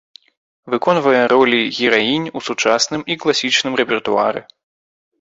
Выконвае ролі гераінь у сучасным і класічным рэпертуары.